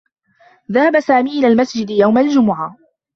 ذهب سامي إلى المسجد يوم الجمعة.